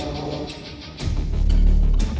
kualitas udara jakarta